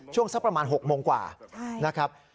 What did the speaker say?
สักประมาณ๖โมงกว่านะครับ